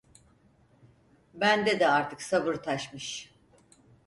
Bende de artık sabır taşmış.